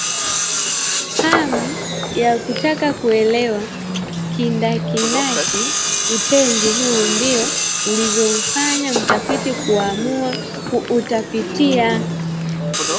Hamu ya kutaka kuuelewa kindakindaki utenzi huu ndiyo iliyomfanya mtafiti kuamua kuutafitia